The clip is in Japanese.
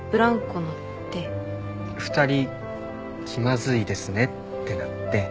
２人気まずいですねってなって。